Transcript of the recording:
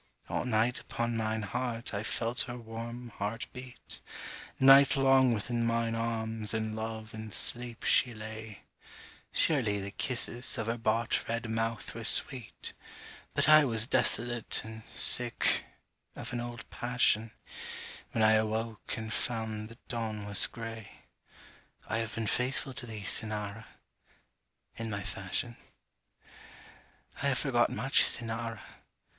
All night upon mine heart I felt her warm heart beat, Night long within mine arms in love and sleep she lay; Surely the kisses of her bought red mouth were sweet; But I was desolate and sick of an old passion, When I awoke and found the dawn was gray: I have been faithful to thee, Cynara! in my fashion. I have forgot much, Cynara!